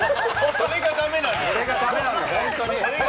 それがだめなんだよ。